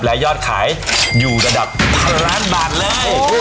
และยอดขายอยู่ระดับพันล้านบาทเลย